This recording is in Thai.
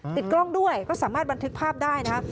ติดกล้องด้วยก็สามารถบันทึกภาพได้นะคะ